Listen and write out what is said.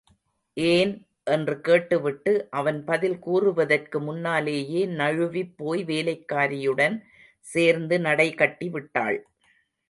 ஏன்? என்று கேட்டு விட்டு, அவன் பதில் கூறுவதற்கு முன்னாலேயே, நழுவிபோய் வேலைக்காரியுடன் சேர்ந்து நடை கட்டி விட்டாள்.